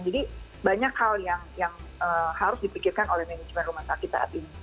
jadi banyak hal yang harus dipikirkan oleh manajemen rumah sakit saat ini